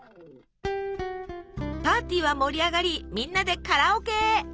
パーティーは盛り上がりみんなでカラオケへ。